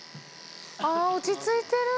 あぁ落ち着いてる。